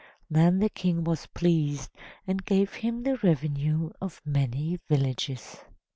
Then the King was pleased, and gave him the revenue of many villages.